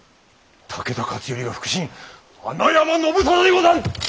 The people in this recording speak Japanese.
武田勝頼が腹心穴山信君でござる！